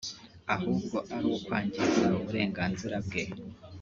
ahubwo ari ukwangiza uburenganzira bwe”